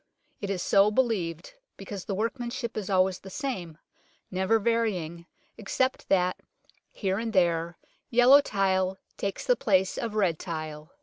It is so believed because the workmanship is always the same, never varying, except that here and there yellow tile takes the place of the REMAINS OF THE CITY WALL 31 red tile.